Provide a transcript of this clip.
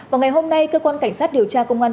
vào ngày hôm nay cơ quan cảnh sát điều tra công an